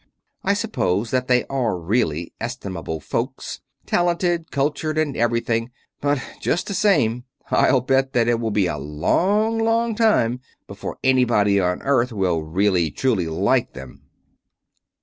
I suppose that they are really estimable folks; talented, cultured, and everything; but just the same I'll bet that it will be a long, long time before anybody on Earth will really, truly like them!"